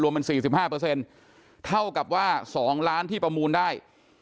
รวมเป็นสี่สิบห้าเปอร์เซ็นต์เท่ากับว่าสองล้านที่ประมูลได้